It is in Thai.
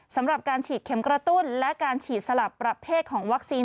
สำหรับการฉีดเข็มกระตุ้นและการฉีดสลับประเภทของวัคซีน